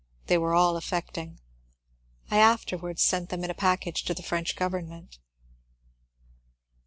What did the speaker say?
They were all affecting. I afterwards sent them in a package to the French government.